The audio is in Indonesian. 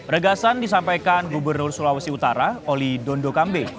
regasan disampaikan gubernur sulawesi utara oli dondo kambe